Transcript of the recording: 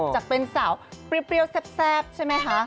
จากเป็นสาวเปรี้ยวแซ่บใช่ไหมคะ